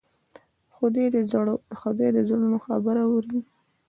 خدای د زړونو خبرې اوري.